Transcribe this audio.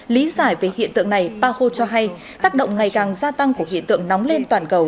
lý giải về hiện tượng này paho cho hay tác động ngày càng gia tăng của hiện tượng nóng lên toàn cầu